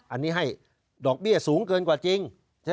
อันนี้ให้ดอกเบี้ยสูงเกินกว่าจริง